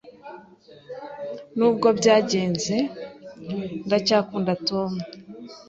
Nubwo byagenze, ndacyakunda Tom.